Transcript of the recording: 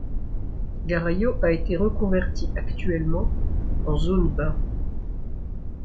Garayo a été reconverti actuellement en zone bain.